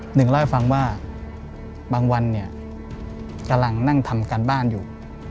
หนึ่งเล่าให้ฟังว่าบางวันเนี่ยกำลังนั่งทำการบ้านอยู่